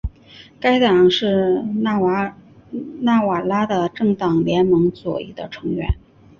该党是纳瓦拉的政党联盟左翼的成员。